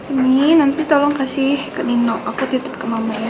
ini nanti tolong kasih ke nino aku titip ke mamanya